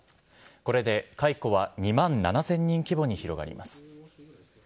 これで解雇は２万７０００人規模に広がります。